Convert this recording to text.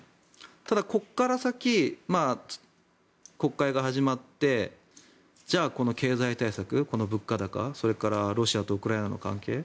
ただ、ここから先国会が始まってじゃあ、この経済対策この物価高それからロシアとウクライナの関係